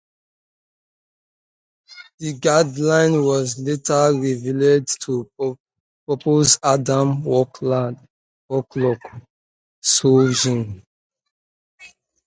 The Gardener was later revealed to possess Adam Warlock's Soul Gem.